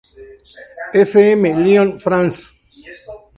F. M, Lyon, France.